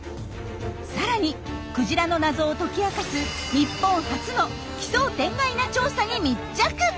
さらにクジラの謎を解き明かす日本初の奇想天外な調査に密着！